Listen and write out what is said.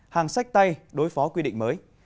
hàng sách tay đối phó quy định mới